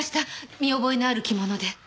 見覚えのある着物で。